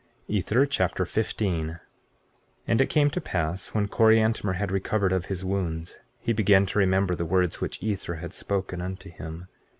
Ether Chapter 15 15:1 And it came to pass when Coriantumr had recovered of his wounds, he began to remember the words which Ether had spoken unto him.